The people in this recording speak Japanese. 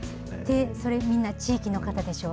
それ、みんな地域の方でしょ？